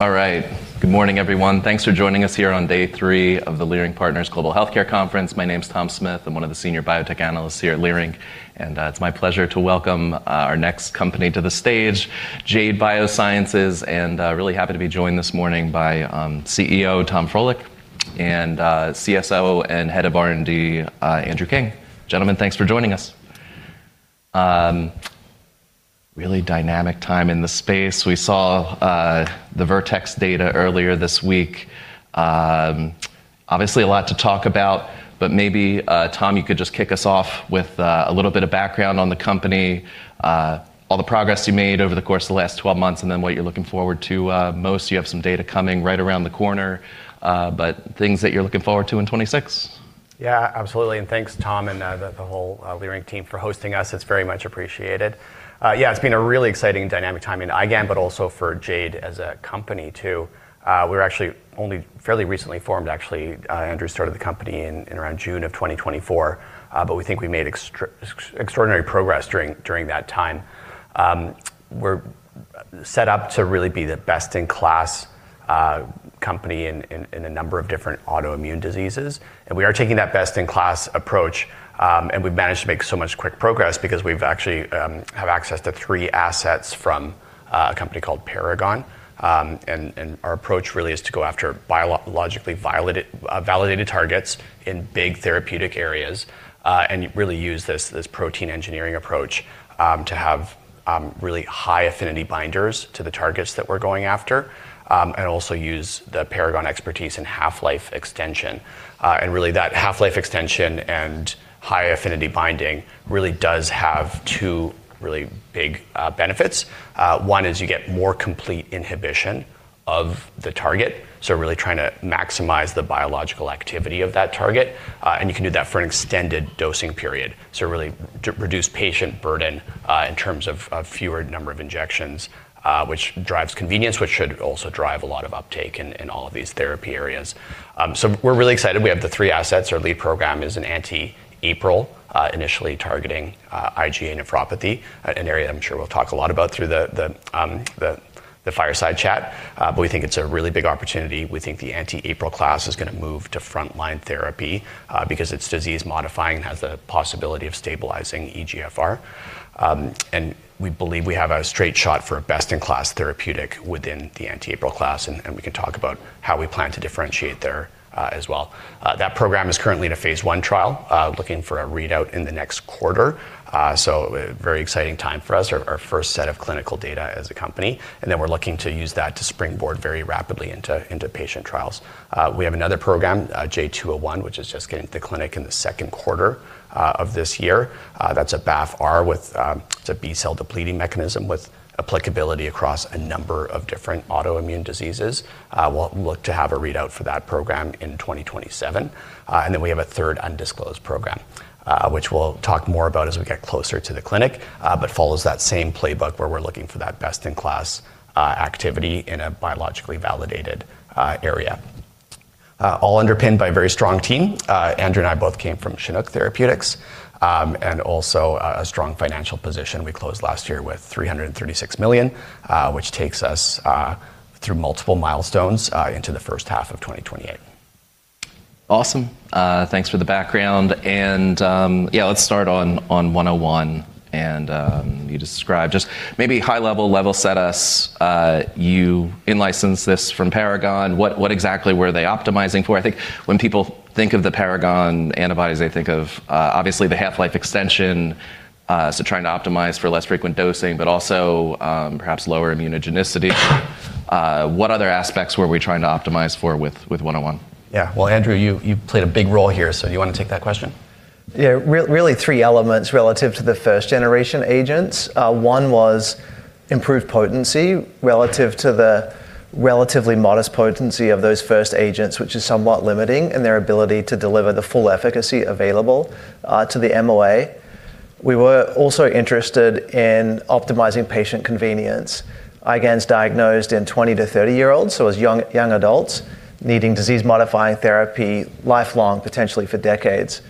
All right. Good morning, everyone. Thanks for joining us here on day three of the Leerink Partners Global Healthcare Conference. My name's Tom Smith. I'm one of the Senior Biotech Analysts here at Leerink, and it's my pleasure to welcome our next company to the stage, Jade Biosciences, and really happy to be joined this morning by CEO Tom Frohlich and CSO and Head of R&D Andrew King. Gentlemen, thanks for joining us. Really dynamic time in the space. We saw the Vertex data earlier this week. Obviously a lot to talk about, but maybe Tom, you could just kick us off with a little bit of background on the company, all the progress you made over the course of the last 12 months, and then what you're looking forward to most. You have some data coming right around the corner, but things that you're looking forward to in 2026. Yeah, absolutely. Thanks, Tom, and the whole Leerink team for hosting us. It's very much appreciated. Yeah, it's been a really exciting dynamic time in IgAN, but also for Jade as a company too. We're actually only fairly recently formed, actually. Andrew started the company in around June of 2024, but we think we made extraordinary progress during that time. We're set up to really be the best-in-class company in a number of different autoimmune diseases. We are taking that best-in-class approach, and we've managed to make so much quick progress because we've actually have access to three assets from a company called Paragon. Our approach really is to go after biologically validated targets in big therapeutic areas, and really use this protein engineering approach to have really high-affinity binders to the targets that we're going after, and also use the Paragon expertise in half-life extension. Really that half-life extension and high-affinity binding really does have two really big benefits. One is you get more complete inhibition of the target, so really trying to maximize the biological activity of that target, and you can do that for an extended dosing period. Really to reduce patient burden in terms of fewer number of injections, which drives convenience, which should also drive a lot of uptake in all of these therapy areas. We're really excited. We have the three assets. Our lead program is an anti-APRIL initially targeting IgA nephropathy, an area that I'm sure we'll talk a lot about through the fireside chat. We think it's a really big opportunity. We think the anti-APRIL class is gonna move to frontline therapy because it's disease-modifying, has the possibility of stabilizing eGFR. We believe we have a straight shot for a best-in-class therapeutic within the anti-APRIL class, and we can talk about how we plan to differentiate there as well. That program is currently in a phase I trial looking for a readout in the next quarter. A very exciting time for us. Our first set of clinical data as a company, and then we're looking to use that to springboard very rapidly into patient trials. We have another program, JADE201, which is just getting to the clinic in the second quarter of this year. That's a BAFF-R. It's a B-cell depleting mechanism with applicability across a number of different autoimmune diseases. We'll look to have a readout for that program in 2027. We have a third undisclosed program, which we'll talk more about as we get closer to the clinic, but follows that same playbook where we're looking for that best-in-class activity in a biologically validated area. All underpinned by a very strong team. Andrew and I both came from Chinook Therapeutics, and also a strong financial position. We closed last year with $336 million, which takes us through multiple milestones into the first half of 2028. Awesome. Thanks for the background. Yeah, let's start on 101. You described just maybe high level level set us. You in-licensed this from Paragon. What exactly were they optimizing for? I think when people think of the Paragon antibodies, they think of obviously the half-life extension, so trying to optimize for less frequent dosing, but also perhaps lower immunogenicity. What other aspects were we trying to optimize for with 101? Yeah. Well, Andrew, you played a big role here, so you wanna take that question? Yeah. Really three elements relative to the first-generation agents. One was improved potency relative to the relatively modest potency of those first agents, which is somewhat limiting in their ability to deliver the full efficacy available to the MOA. We were also interested in optimizing patient convenience. IgAN's diagnosed in 20- to 30-year-olds, so as young adults needing disease-modifying therapy lifelong, potentially for decades.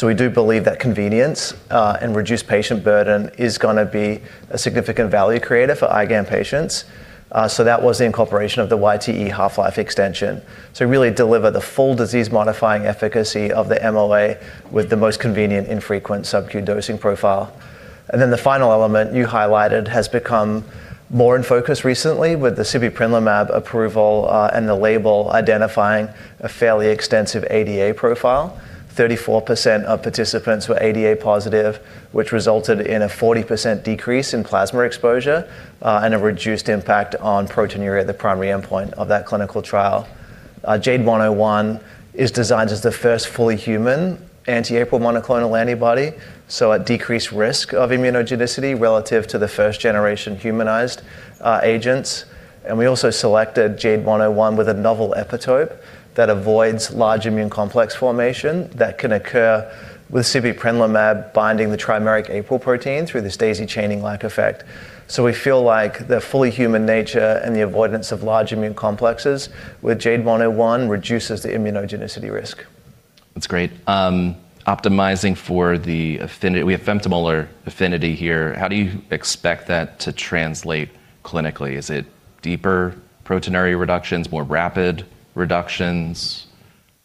We do believe that convenience and reduced patient burden is gonna be a significant value creator for IgAN patients. That was the incorporation of the YTE half-life extension to really deliver the full disease-modifying efficacy of the MOA with the most convenient infrequent sub-Q dosing profile. The final element you highlighted has become more in focus recently with the sibeprenlimab approval and the label identifying a fairly extensive ADA profile. 34% of participants were ADA positive, which resulted in a 40% decrease in plasma exposure, and a reduced impact on proteinuria, the primary endpoint of that clinical trial. JADE101 is designed as the first fully human anti-APRIL monoclonal antibody, so a decreased risk of immunogenicity relative to the first-generation humanized agents. We also selected JADE101 with a novel epitope that avoids large immune complex formation that can occur with sibeprenlimab binding the trimeric APRIL protein through this daisy chaining-like effect. We feel like the fully human nature and the avoidance of large immune complexes with JADE101 reduces the immunogenicity risk. That's great. Optimizing for the affinity. We have femtomolar affinity here. How do you expect that to translate clinically? Is it deeper proteinuria reductions, more rapid reductions,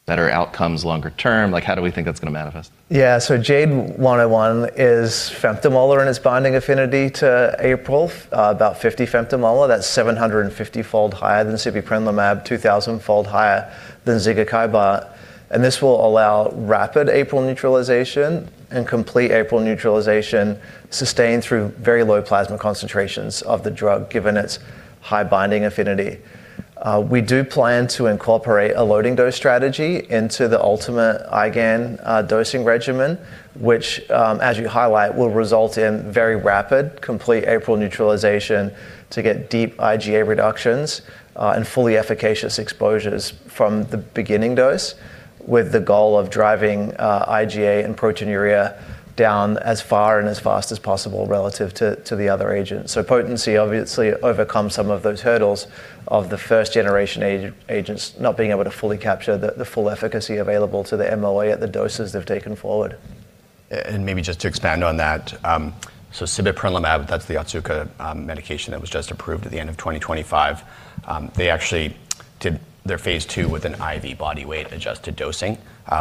better outcomes longer term? Like, how do we think that's gonna manifest? Yeah. JADE101 is femtomolar in its binding affinity to APRIL, about 50 femtomolar. That's 750-fold higher than sibeprenlimab, 2,000-fold higher than zigakibart, and this will allow rapid APRIL neutralization and complete APRIL neutralization sustained through very low plasma concentrations of the drug given its high binding affinity. We do plan to incorporate a loading dose strategy into the ultimate IgAN dosing regimen, which, as you highlight, will result in very rapid complete APRIL neutralization to get deep IgA reductions, and fully efficacious exposures from the beginning dose with the goal of driving IgA and proteinuria down as far and as fast as possible relative to the other agents. Potency obviously overcomes some of those hurdles of the first-generation agents not being able to fully capture the full efficacy available to the MOA at the doses they've taken forward. Maybe just to expand on that, sibeprenlimab, that's the Otsuka medication that was just approved at the end of 2025, they actually did their phase II with an IV body weight adjusted dosing,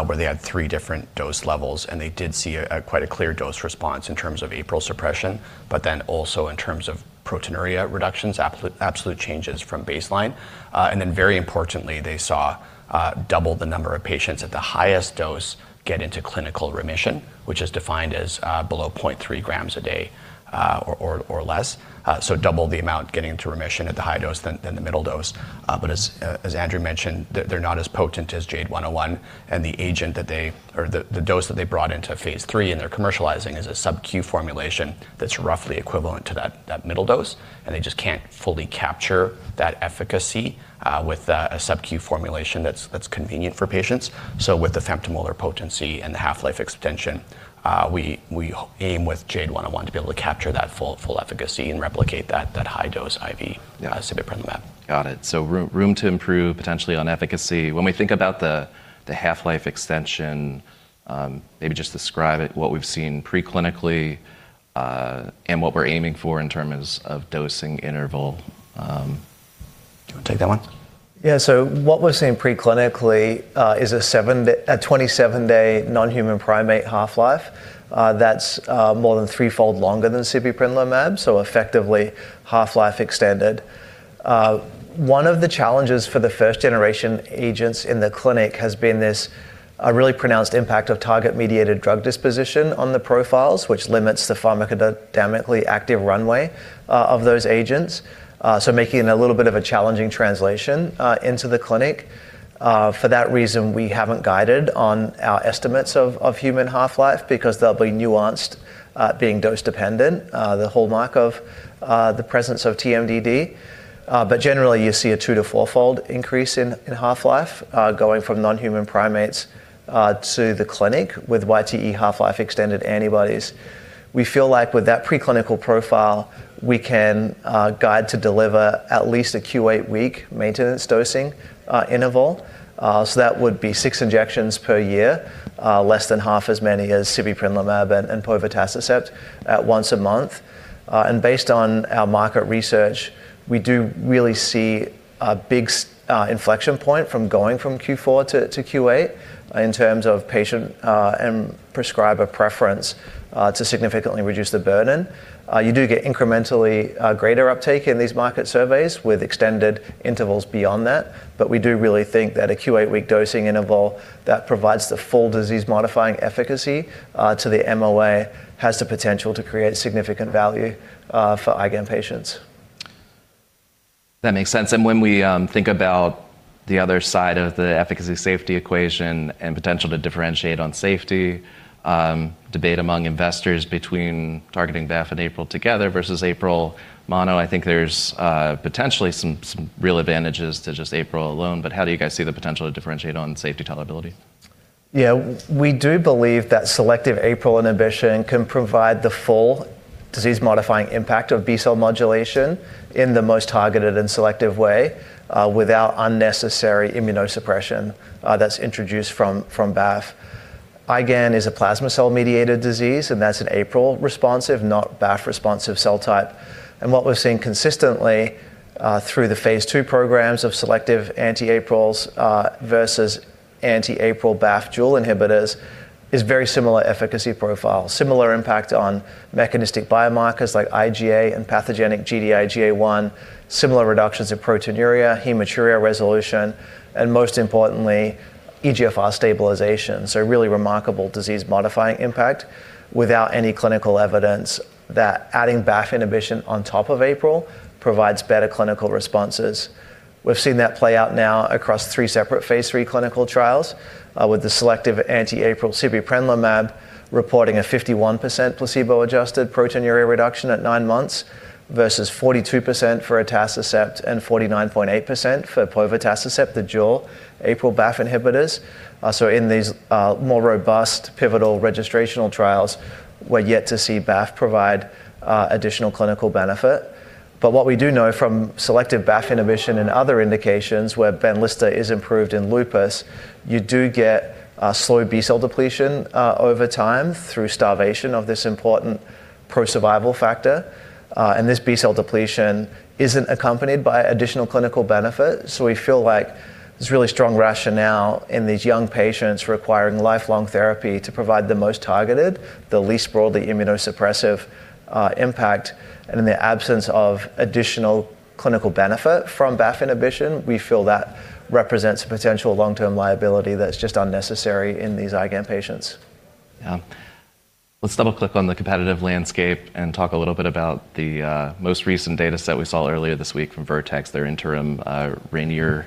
where they had three different dose levels, and they did see quite a clear dose response in terms of APRIL suppression, but then also in terms of proteinuria reductions, absolute changes from baseline. Then very importantly, they saw double the number of patients at the highest dose get into clinical remission, which is defined as below 0.3 g a day or less, so double the amount getting into remission at the high dose than the middle dose. As Andrew mentioned, they're not as potent as JADE101, and the dose that they brought into phase III and they're commercializing is a sub-Q formulation that's roughly equivalent to that middle dose, and they just can't fully capture that efficacy with a sub-Q formulation that's convenient for patients. With the femtomolar potency and the half-life extension, we aim with JADE101 to be able to capture that full efficacy and replicate that high dose IV sibeprenlimab. Got it. Room to improve potentially on efficacy. When we think about the half-life extension, maybe just describe it, what we've seen pre-clinically, and what we're aiming for in terms of dosing interval. Do you wanna take that one? Yeah. What we're seeing preclinically is a 27-day non-human primate half-life that's more than threefold longer than sibeprenlimab, so effectively half-life extended. One of the challenges for the first generation agents in the clinic has been this really pronounced impact of target-mediated drug disposition on the profiles, which limits the pharmacodynamically active runway of those agents, so making it a little bit of a challenging translation into the clinic. For that reason, we haven't guided on our estimates of human half-life because they'll be nuanced, being dose-dependent, the hallmark of the presence of TMDD. But generally, you see a two- to four-fold increase in half-life going from non-human primates to the clinic with YTE half-life extended antibodies. We feel like with that preclinical profile, we can guide to deliver at least a Q8-week maintenance dosing interval. That would be six injections per year, less than half as many as sibeprenlimab and povetacicept at once a month. Based on our market research, we do really see a big inflection point from going from Q4 to Q8 in terms of patient and prescriber preference to significantly reduce the burden. You do get incrementally greater uptake in these market surveys with extended intervals beyond that. We do really think that a Q8-week dosing interval that provides the full disease-modifying efficacy to the MOA has the potential to create significant value for IgAN patients. That makes sense. When we think about the other side of the efficacy-safety equation and potential to differentiate on safety, debate among investors between targeting BAFF and APRIL together versus APRIL mono, I think there's potentially some real advantages to just APRIL alone. How do you guys see the potential to differentiate on safety tolerability? Yeah. We do believe that selective APRIL inhibition can provide the full disease-modifying impact of B-cell modulation in the most targeted and selective way, without unnecessary immunosuppression, that's introduced from BAFF. IgAN is a plasma cell-mediated disease, and that's an APRIL-responsive, not BAFF-responsive cell type. What we're seeing consistently through the phase II programs of selective anti-APRILs versus anti-APRIL BAFF dual inhibitors is very similar efficacy profile, similar impact on mechanistic biomarkers like IgA and pathogenic Gd-IgA1, similar reductions in proteinuria, hematuria resolution, and most importantly, eGFR stabilization. A really remarkable disease-modifying impact without any clinical evidence that adding BAFF inhibition on top of APRIL provides better clinical responses. We've seen that play out now across three separate phase III clinical trials, with the selective anti-APRIL sibeprenlimab reporting a 51% placebo-adjusted proteinuria reduction at nine months versus 42% for atacicept and 49.8% for povetacicept, the dual APRIL BAFF inhibitors. In these, more robust pivotal registrational trials, we're yet to see BAFF provide additional clinical benefit. But what we do know from selective BAFF inhibition in other indications where Benlysta is approved in lupus, you do get a slow B-cell depletion over time through starvation of this important pro-survival factor. And this B-cell depletion isn't accompanied by additional clinical benefit. We feel like there's really strong rationale in these young patients requiring lifelong therapy to provide the most targeted, the least broadly immunosuppressive impact. In the absence of additional clinical benefit from BAFF inhibition, we feel that represents a potential long-term liability that's just unnecessary in these IgAN patients. Yeah. Let's double-click on the competitive landscape and talk a little bit about the most recent data set we saw earlier this week from Vertex, their interim RAINIER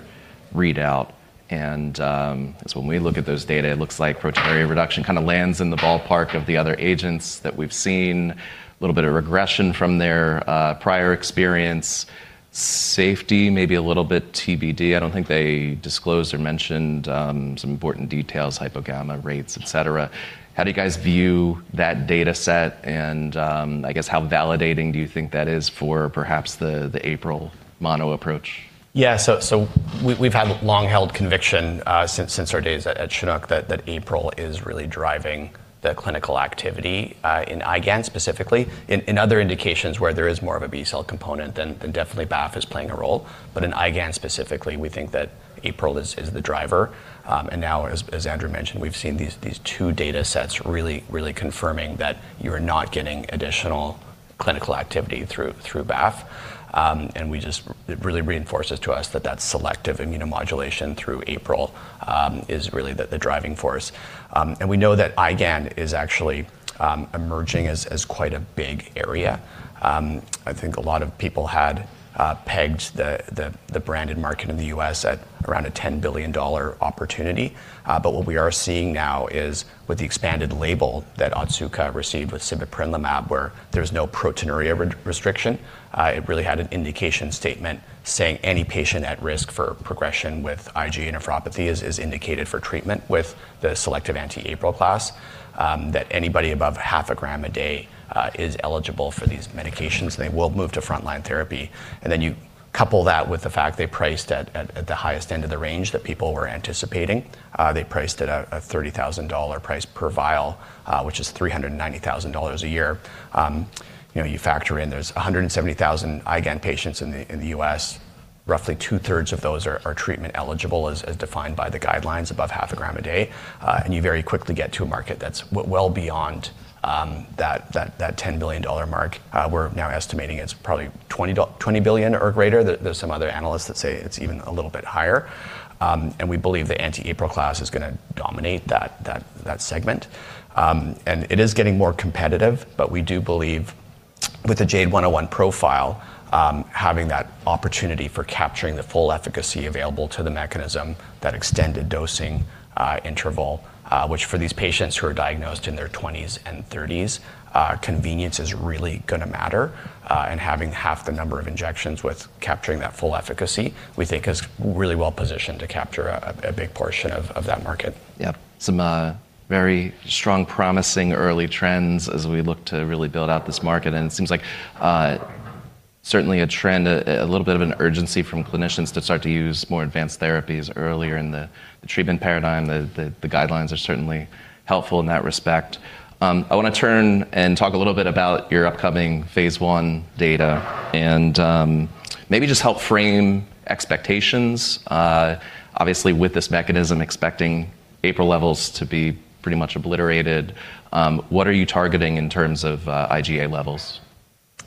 readout. As we look at those data, it looks like proteinuria reduction kinda lands in the ballpark of the other agents that we've seen. A little bit of regression from their prior experience. Safety, maybe a little bit TBD. I don't think they disclosed or mentioned some important details, hypogammaglobulinemia rates, et cetera. How do you guys view that data set, and I guess how validating do you think that is for perhaps the APRIL mono approach? We've had long-held conviction since our days at Chinook that APRIL is really driving the clinical activity in IgAN specifically. In other indications where there is more of a B-cell component, then definitely BAFF is playing a role. But in IgAN specifically, we think that APRIL is the driver. Now as Andrew mentioned, we've seen these two datasets really confirming that you are not getting additional clinical activity through BAFF. It really reinforces to us that selective immunomodulation through APRIL is really the driving force. We know that IgAN is actually emerging as quite a big area. I think a lot of people had pegged the branded market in the U.S. at around a $10 billion opportunity. What we are seeing now is with the expanded label that Otsuka received with sibeprenlimab where there's no proteinuria restriction, it really had an indication statement saying any patient at risk for progression with IgA nephropathy is indicated for treatment with the selective anti-APRIL class, that anybody above 0.5 g a day is eligible for these medications, and they will move to frontline therapy. Then you couple that with the fact they priced at the highest end of the range that people were anticipating. They priced at a $30,000 price per vial, which is $390,000 a year. You know, you factor in there's 170,000 IgAN patients in the U.S. Roughly 2/3 of those are treatment eligible as defined by the guidelines above 0.5 g a day. You very quickly get to a market that's well beyond that $10 billion mark. We're now estimating it's probably $20 billion or greater. There's some other analysts that say it's even a little bit higher. We believe the anti-APRIL class is gonna dominate that segment. It is getting more competitive, but we do believe with the JADE101 profile, having that opportunity for capturing the full efficacy available to the mechanism, that extended dosing interval, which for these patients who are diagnosed in their 20s and 30s, convenience is really gonna matter. Having half the number of injections with capturing that full efficacy, we think is really well positioned to capture a big portion of that market. Yep. Some very strong promising early trends as we look to really build out this market. It seems like certainly a trend, a little bit of an urgency from clinicians to start to use more advanced therapies earlier in the treatment paradigm. The guidelines are certainly helpful in that respect. I wanna turn and talk a little bit about your upcoming phase I data and maybe just help frame expectations, obviously with this mechanism expecting APRIL levels to be pretty much obliterated. What are you targeting in terms of IgA levels?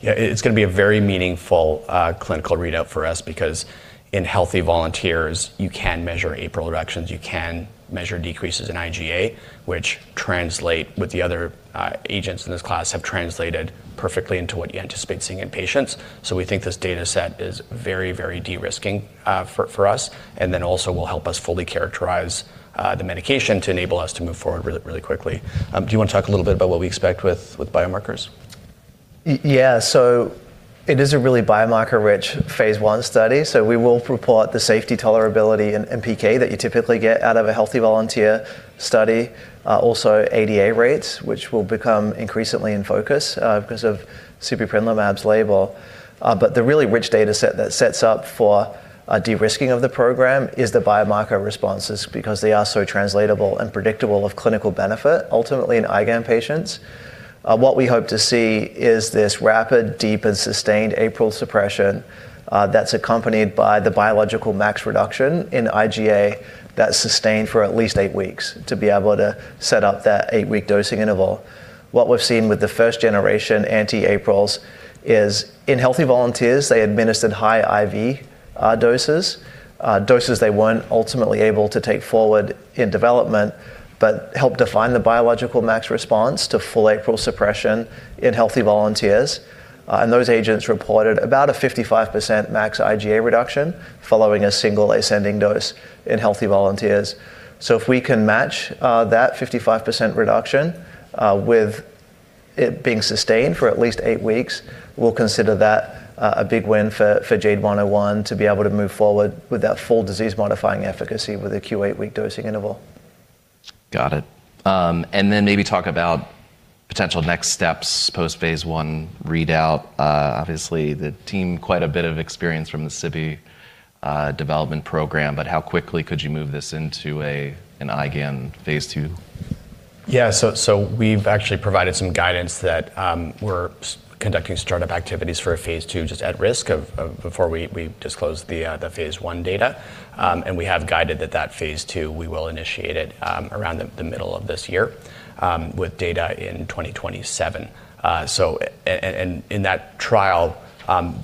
Yeah. It's gonna be a very meaningful clinical readout for us because in healthy volunteers, you can measure APRIL reductions, you can measure decreases in IgA, which translate with the other agents in this class have translated perfectly into what you anticipate seeing in patients. We think this dataset is very, very de-risking for us, and then also will help us fully characterize the medication to enable us to move forward really, really quickly. Do you wanna talk a little bit about what we expect with biomarkers? It is a really biomarker-rich phase I study. We will report the safety, tolerability, and PK that you typically get out of a healthy volunteer study. Also ADA rates, which will become increasingly in focus, because of sibeprenlimab's label. The really rich dataset that sets up for a de-risking of the program is the biomarker responses because they are so translatable and predictable of clinical benefit ultimately in IgAN patients. What we hope to see is this rapid, deep, and sustained APRIL suppression, that's accompanied by the biological max reduction in IgA that's sustained for at least eight weeks to be able to set up that eight-week dosing interval. What we've seen with the first generation anti-APRILs is, in healthy volunteers, they administered high IV doses they weren't ultimately able to take forward in development, but helped define the biological max response to full APRIL suppression in healthy volunteers. Those agents reported about a 55% max IgA reduction following a single ascending dose in healthy volunteers. If we can match that 55% reduction with it being sustained for at least eight weeks, we'll consider that a big win for JADE101 to be able to move forward with that full disease-modifying efficacy with a Q8-week dosing interval. Got it. Maybe talk about potential next steps post phase I readout. Obviously, the team quite a bit of experience from the sibeprenlimab development program, but how quickly could you move this into an IgAN phase II? Yeah. We've actually provided some guidance that we're conducting startup activities for a phase II just at risk before we disclose the phase I data. We have guided that phase II we will initiate it around the middle of this year with data in 2027. In that trial,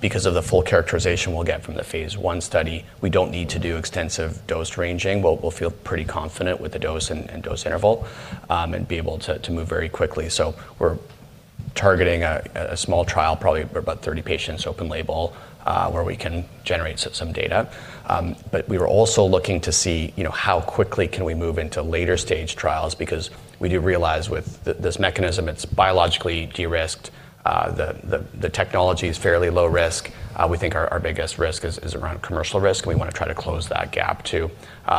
because of the full characterization we'll get from the phase I study, we don't need to do extensive dose ranging. We'll feel pretty confident with the dose and dose interval and be able to move very quickly. We're targeting a small trial, probably about 30 patients, open label, where we can generate some data. We were also looking to see, you know, how quickly can we move into later stage trials, because we do realize with this mechanism, it's biologically de-risked. The technology is fairly low risk. We think our biggest risk is around commercial risk, and we wanna try to close that gap to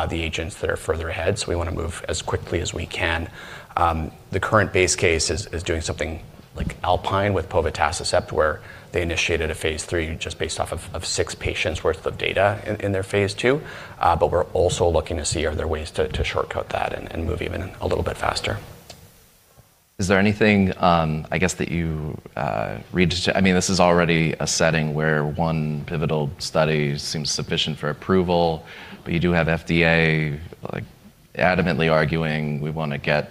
the agents that are further ahead. We wanna move as quickly as we can. The current base case is doing something like Alpine with povetacicept, where they initiated a phase III just based off of six patients worth of data in their phase II. We're also looking to see are there ways to shortcut that and move even a little bit faster. Is there anything, I guess that you, I mean, this is already a setting where one pivotal study seems sufficient for approval, but you do have FDA like adamantly arguing, "We wanna get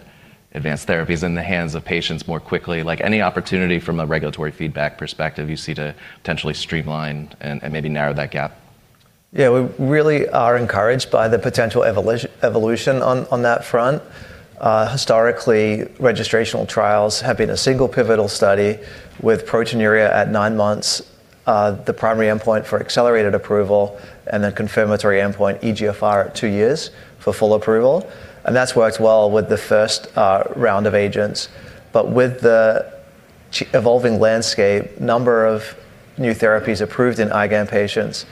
advanced therapies in the hands of patients more quickly." Like, any opportunity from a regulatory feedback perspective you see to potentially streamline and maybe narrow that gap? Yeah. We really are encouraged by the potential evolution on that front. Historically, registrational trials have been a single pivotal study with proteinuria at nine months, the primary endpoint for accelerated approval, and then confirmatory endpoint eGFR at two years for full approval. That's worked well with the first round of agents. With the evolving landscape, number of new therapies approved in IgAN patients,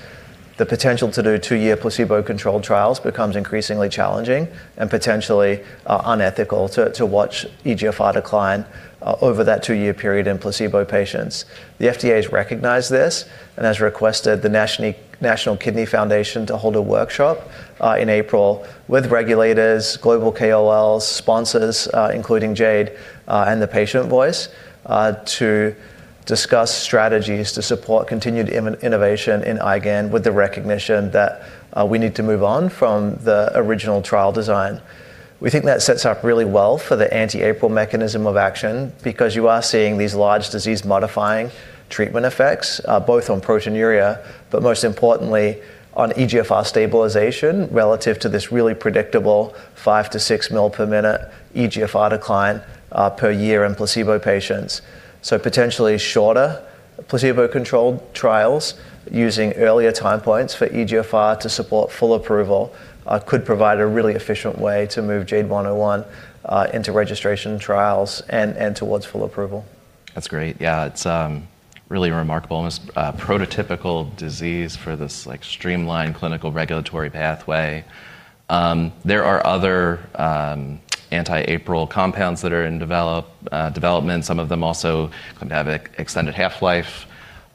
the potential to do two-year placebo-controlled trials becomes increasingly challenging and potentially unethical to watch eGFR decline over that two-year period in placebo patients. The FDA has recognized this and has requested the National Kidney Foundation to hold a workshop in April with regulators, global KOLs, sponsors, including Jade, and the patient voice to discuss strategies to support continued innovation in IgAN with the recognition that we need to move on from the original trial design. We think that sets up really well for the anti-APRIL mechanism of action because you are seeing these large disease-modifying treatment effects both on proteinuria, but most importantly on eGFR stabilization relative to this really predictable 5-6 ml/min eGFR decline per year in placebo patients. Potentially shorter placebo-controlled trials using earlier time points for eGFR to support full approval could provide a really efficient way to move JADE101 into registration trials and towards full approval. That's great. Yeah. It's really remarkable. Almost prototypical disease for this, like, streamlined clinical regulatory pathway. There are other anti-APRIL compounds that are in development. Some of them also going to have extended half-life.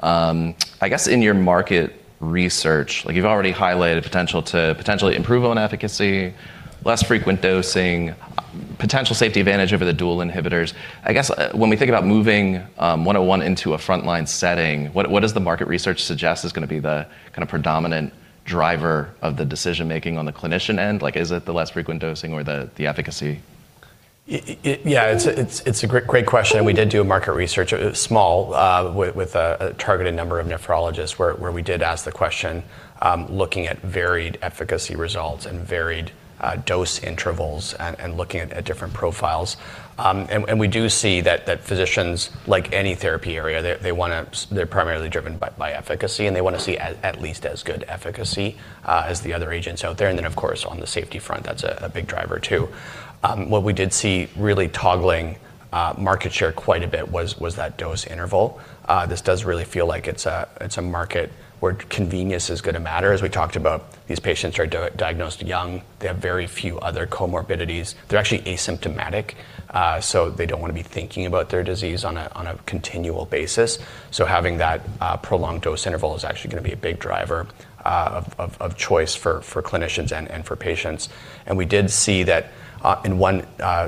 I guess in your market research, like you've already highlighted potential to potentially improve on efficacy, less frequent dosing, potential safety advantage over the dual inhibitors. I guess when we think about moving 101 into a frontline setting, what does the market research suggest is gonna be the kinda predominant driver of the decision-making on the clinician end? Like is it the less frequent dosing or the efficacy? Yeah. It's a great question, and we did do a small market research with a targeted number of nephrologists where we did ask the question, looking at varied efficacy results and varied dose intervals and looking at different profiles. We do see that physicians, like any therapy area, they're primarily driven by efficacy, and they wanna see at least as good efficacy as the other agents out there. Then, of course, on the safety front, that's a big driver too. What we did see really toggling market share quite a bit was that dose interval. This does really feel like it's a market where convenience is gonna matter. As we talked about, these patients are diagnosed young. They have very few other comorbidities. They're actually asymptomatic, so they don't wanna be thinking about their disease on a continual basis. Having that prolonged dose interval is actually gonna be a big driver of choice for clinicians and for patients. We did see that in one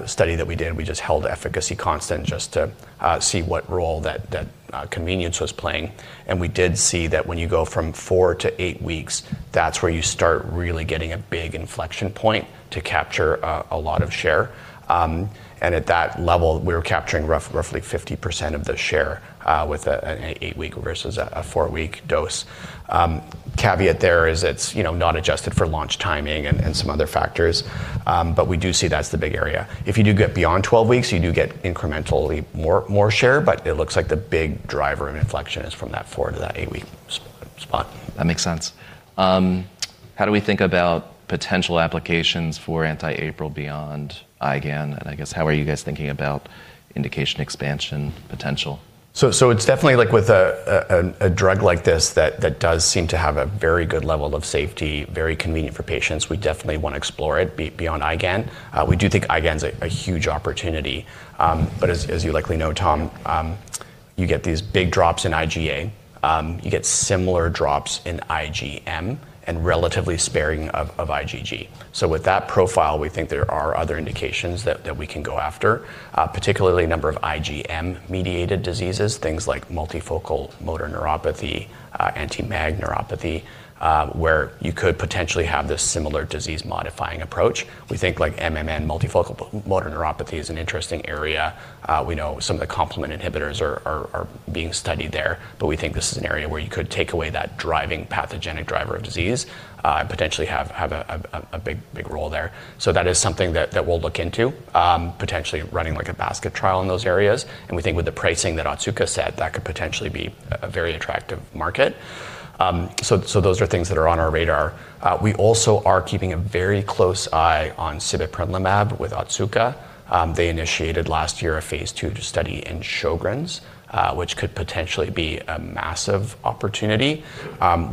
study that we did, we just held efficacy constant just to see what role that convenience was playing. We did see that when you go from four to eight weeks, that's where you start really getting a big inflection point to capture a lot of share. At that level, we were capturing roughly 50% of the share with an eight-week versus a four-week dose. Caveat there is it's, you know, not adjusted for launch timing and some other factors, but we do see that's the big area. If you do get beyond 12 weeks, you do get incrementally more share, but it looks like the big driver and inflection is from that four to that eight-week spot. That makes sense. How do we think about potential applications for anti-APRIL beyond IgAN, and I guess how are you guys thinking about indication expansion potential? It's definitely like with a drug like this that does seem to have a very good level of safety, very convenient for patients. We definitely wanna explore it beyond IgAN. We do think IgAN's a huge opportunity. As you likely know, Tom, you get these big drops in IgA. You get similar drops in IgM and relatively sparing of IgG. With that profile, we think there are other indications that we can go after, particularly a number of IgM-mediated diseases, things like multifocal motor neuropathy, anti-MAG neuropathy, where you could potentially have this similar disease-modifying approach. We think like MMN, multifocal motor neuropathy, is an interesting area. We know some of the complement inhibitors are being studied there, but we think this is an area where you could take away that driving pathogenic driver of disease, and potentially have a big role there. That is something that we'll look into, potentially running like a basket trial in those areas. We think with the pricing that Otsuka set, that could potentially be a very attractive market. Those are things that are on our radar. We also are keeping a very close eye on sibeprenlimab with Otsuka. They initiated last year a phase II study in Sjögren's, which could potentially be a massive opportunity.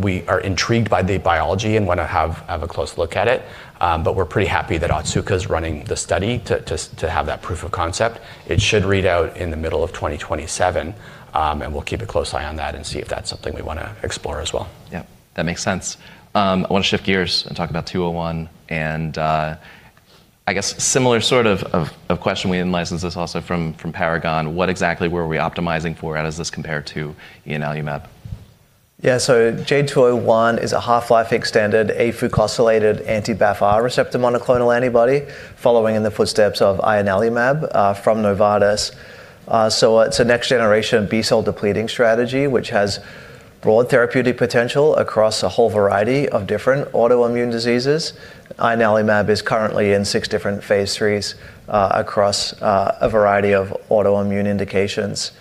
We are intrigued by the biology and wanna have a close look at it, but we're pretty happy that Otsuka's running the study to have that proof of concept. It should read out in the middle of 2027, and we'll keep a close eye on that and see if that's something we wanna explore as well. Yeah, that makes sense. I wanna shift gears and talk about 201, and I guess similar sort of question, we in-licensed this also from Paragon. What exactly were we optimizing for? How does this compare to ianalumab? Yeah. JADE201 is a half-life extended afucosylated anti-BAFF-R receptor monoclonal antibody following in the footsteps of ianalumab from Novartis. It's a next generation B-cell depleting strategy, which has broad therapeutic potential across a whole variety of different autoimmune diseases. Ianalumab is currently in six different phase IIIs across a variety of autoimmune indications.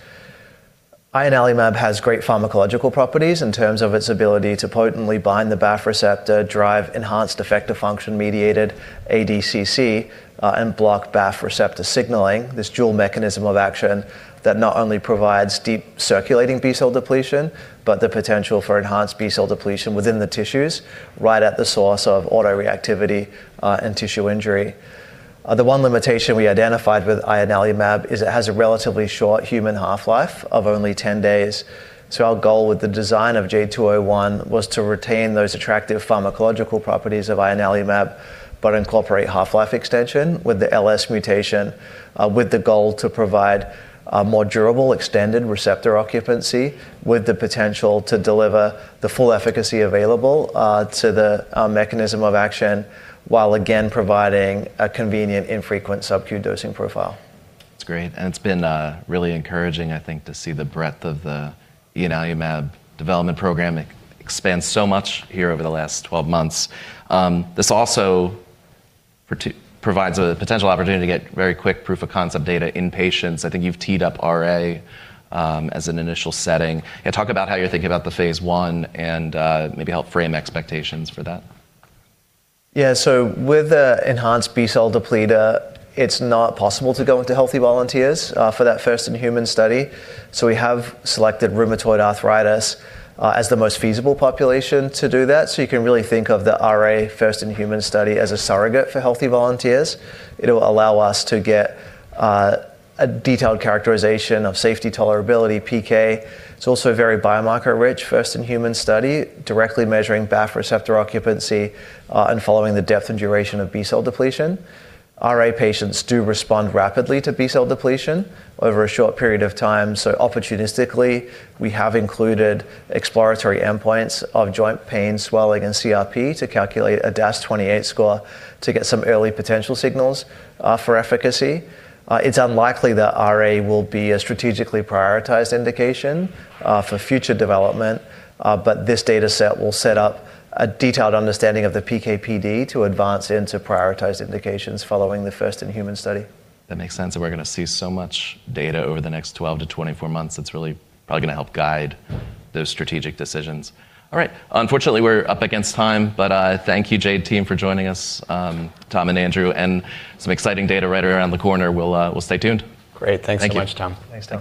Ianalumab has great pharmacological properties in terms of its ability to potently bind the BAFF receptor, drive enhanced effector function mediated ADCC, and block BAFF receptor signaling. This dual mechanism of action that not only provides deep circulating B-cell depletion, but the potential for enhanced B-cell depletion within the tissues right at the source of autoreactivity, and tissue injury. The one limitation we identified with ianalumab is it has a relatively short human half-life of only 10 days. Our goal with the design of JADE201 was to retain those attractive pharmacological properties of ianalumab, but incorporate half-life extension with the LS mutation, with the goal to provide a more durable extended receptor occupancy with the potential to deliver the full efficacy available to the mechanism of action, while again providing a convenient infrequent sub-Q dosing profile. That's great, and it's been really encouraging, I think, to see the breadth of the ianalumab development program. It expands so much here over the last 12 months. This also provides a potential opportunity to get very quick proof of concept data in patients. I think you've teed up RA as an initial setting. Yeah, talk about how you're thinking about the phase I and maybe help frame expectations for that. Yeah. With an enhanced B-cell depleter, it's not possible to go into healthy volunteers for that first in human study. We have selected rheumatoid arthritis as the most feasible population to do that. You can really think of the RA first in human study as a surrogate for healthy volunteers. It'll allow us to get a detailed characterization of safety, tolerability, PK. It's also a very biomarker rich first in human study, directly measuring BAFF receptor occupancy and following the depth and duration of B-cell depletion. RA patients do respond rapidly to B-cell depletion over a short period of time. Opportunistically, we have included exploratory endpoints of joint pain, swelling, and CRP to calculate a DAS28 score to get some early potential signals for efficacy. It's unlikely that RA will be a strategically prioritized indication for future development, but this data set will set up a detailed understanding of the PK/PD to advance into prioritized indications following the first in human study. That makes sense, and we're gonna see so much data over the next 12-24 months. It's really probably gonna help guide those strategic decisions. All right. Unfortunately, we're up against time, but thank you Jade team for joining us, Tom and Andrew, and some exciting data right around the corner. We'll stay tuned. Great. Thank you. Thanks so much, Tom. Thanks, Tom.